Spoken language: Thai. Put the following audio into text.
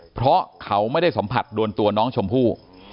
เพราะเขาไม่ได้สัมผัสโดนตัวน้องชมพู่